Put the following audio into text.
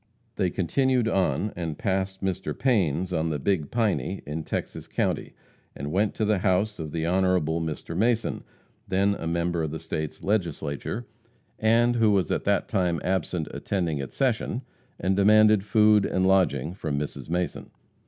They continued on, and passed Mr. Payne's on the Big Piney, in Texas county, and went to the house of the Hon. Mr. Mason, then a member of the State Legislature, and who was at that time absent attending its session, and demanded food and lodging from Mrs. Mason.